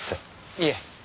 いえ。